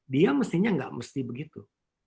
dia mestinya nggak mesti begitu